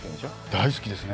大好きですね。